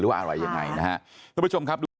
หรือว่าอะไรยังไงนะฮะ